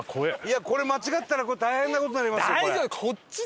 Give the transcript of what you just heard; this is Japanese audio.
これ間違ってたら大変な事になりますよ。